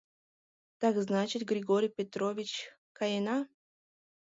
Так значит, Григорий Петрович, каена...